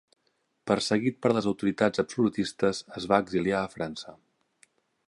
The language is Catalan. Perseguit per les autoritats absolutistes es va exiliar a França.